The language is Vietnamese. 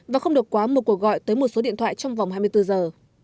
và không được quá mua cuộc gọi tới một số điện thoại trong vòng hai mươi bốn giờ